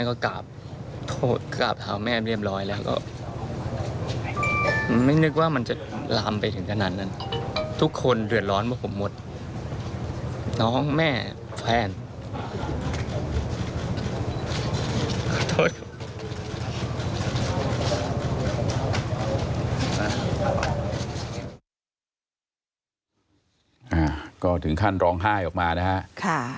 ก็ถึงขั้นร้องไห้ออกมานะฮะ